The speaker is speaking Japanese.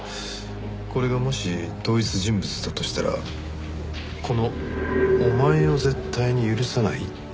これがもし同一人物だとしたらこの「お前を絶対に許さない」って書き込みは。